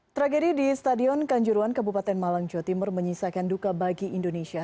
tragedi di stadion kanjuruan kabupaten malang jawa timur menyisakan duka bagi indonesia